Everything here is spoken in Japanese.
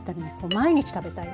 毎日食べたい。